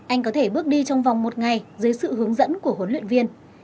anh có thể bước đi trong vòng một ngày dưới sự hướng dẫn của huấn luyện viên